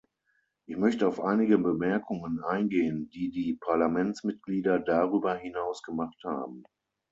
Ich möchte auf einige Bemerkungen eingehen, die die Parlamentsmitglieder darüber hinaus gemacht haben.